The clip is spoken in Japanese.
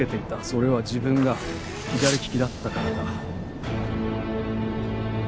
それは自分が左利きだったからだ。